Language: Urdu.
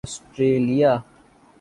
آسٹریلیا